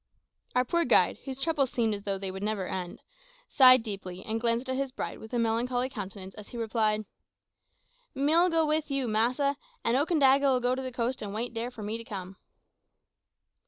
Our poor guide, whose troubles seemed as though they would never end, sighed deeply and glanced at his bride with a melancholy countenance as he replied "Me'll go wid you, massa, an' Okandaga'll go to coast an' wait dere for me come."